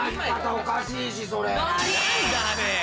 おかしいしそれ。